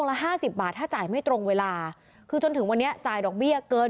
ละห้าสิบบาทถ้าจ่ายไม่ตรงเวลาคือจนถึงวันนี้จ่ายดอกเบี้ยเกิน